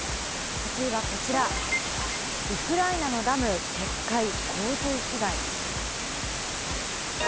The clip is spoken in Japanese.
８位はこちら、ウクライナのダム決壊、洪水被害。